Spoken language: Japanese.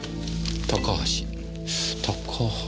「高橋」。